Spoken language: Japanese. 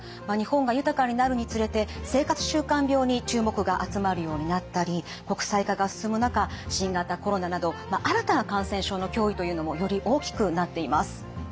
日本が豊かになるにつれて生活習慣病に注目が集まるようになったり国際化が進む中新型コロナなど新たな感染症の脅威というのもより大きくなっています。